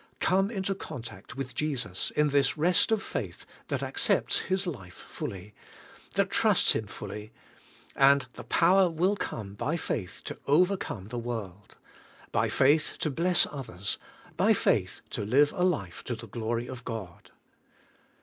Come into contact with Jesus in this rest of faith that accepts TRIi 'MPir OF FA IT/r J 55 His life fully, that trusts Him fully, and the power will come by faith to overcome the world ; by faith to bless others; by faith to live a life to the glory of God.